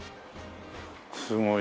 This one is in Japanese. すごい。